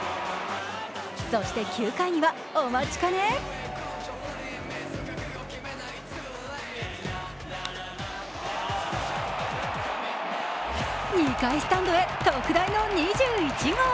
そして９回には、お待ちかね２階スタンドへ特大の２１号。